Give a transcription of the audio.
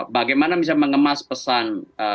bagaimana bisa mengemas pesan